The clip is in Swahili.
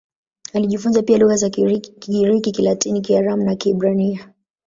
Alijifunza pia lugha za Kigiriki, Kilatini, Kiaramu na Kiebrania.